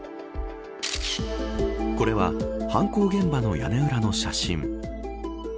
これは犯行現場の屋根裏の写真。